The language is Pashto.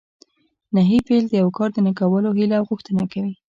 نهي فعل د یو کار نه کولو هیله او غوښتنه کوي.